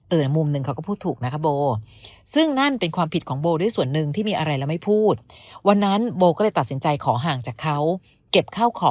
เออมุมนึงเขาก็พูดถูกนะคะโบ